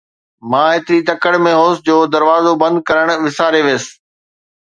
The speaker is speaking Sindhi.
مان ايتري تڪڙ ۾ هوس جو دروازو بند ڪرڻ وساري ويس